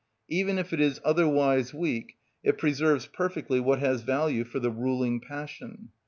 Even if it is otherwise weak, it preserves perfectly what has value for the ruling passion.